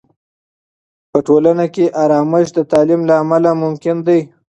په ټولنه کې آرامش د تعلیم له امله ممکن دی.